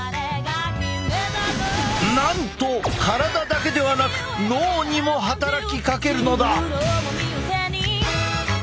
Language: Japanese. なんと体だけではなく脳にも働きかけるのだ。